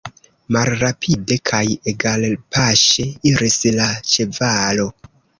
Malrapide kaj egalpaŝe iris la ĉevalo.